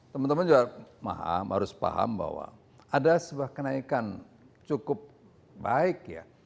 teman teman juga paham harus paham bahwa ada sebuah kenaikan cukup baik ya